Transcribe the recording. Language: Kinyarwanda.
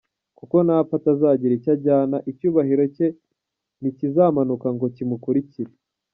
Kuko napfa atazagira icyo ajyana, Icyubahiro cye ntikizamanuka ngo kimukurikire.